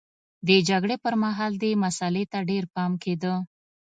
د جګړې پرمهال دې مسئلې ته ډېر پام کېده.